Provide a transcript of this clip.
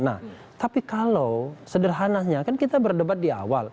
nah tapi kalau sederhananya kan kita berdebat di awal